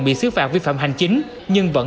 bị xứ phạm vi phạm hành chính nhưng vẫn